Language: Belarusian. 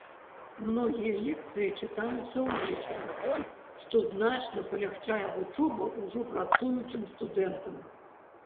Многія лекцыі чытаюцца ўвечары, што значна палягчае вучобу ўжо працуючым студэнтам.